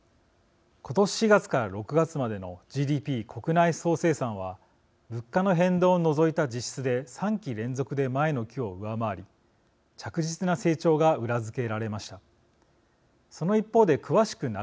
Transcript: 今年４月から６月までのＧＤＰ＝国内総生産は物価の変動を除いた実質で３期連続で前の期を上回り着実な成長が裏付けられました。